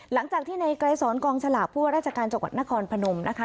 หลังจากที่ในไกรสอนกองฉลากผู้ว่าราชการจังหวัดนครพนมนะคะ